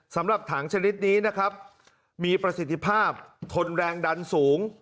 สำหรับถังชนิดนี้นะครับมีประสิทธิภาพทนแรงดันสูง